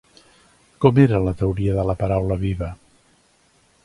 Com era la teoria de la paraula viva?